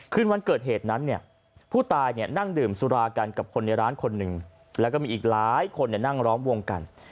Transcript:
คืนวันเกิดเหตุนั้นเนี่ยผู้ตายนั่งดื่มสุรากันกับคนในร้านคนหนึ่งแล้วก็มีอีกหลายคนนั่งร้องวงกัน